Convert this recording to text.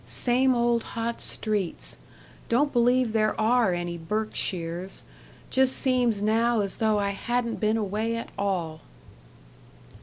Same old hot streets. Don't believe there are any Berkshires; just seems now as though I hadn't been away at all."